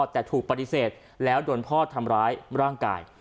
แต่ถูกปฏิเสธแล้วโดนพ่อทำร้ายร่างกาย